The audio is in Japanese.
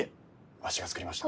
わしが造りました。